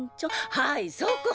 はいそこ！